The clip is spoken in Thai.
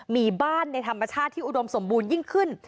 มีบ้านในธรรมชาติที่อุดมสมบูรณยิ่งขึ้น